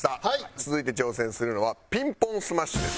続いて挑戦するのはピンポンスマッシュです。